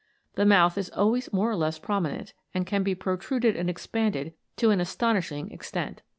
The mouth is always more or less promi nent, and can be protruded and expanded to an astonishing extent.